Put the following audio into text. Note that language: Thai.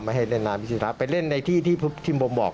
ไม่ให้เล่นน้ำในที่ศาไปเล่นในที่ที่หมองบอก